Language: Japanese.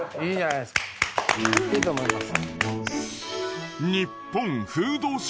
いいと思います。